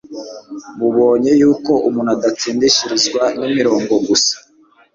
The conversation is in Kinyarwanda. mubonye yuko umuntu adatsindishirizwa n'imirimo gusa